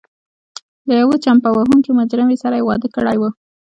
له یوې چمبه وهونکې مجرمې سره یې واده کړی و.